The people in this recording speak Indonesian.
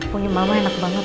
punya mama enak banget